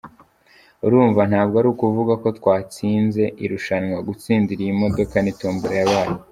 Urumva ntabwo ari ukuvuga ko twatsinze irushanwa, gutsindira iyi modoka ni tombola yabaye.